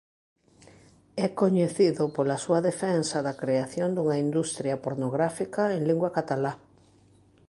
É coñecido pola súa defensa da creación dunha industria pornográfica en lingua catalá.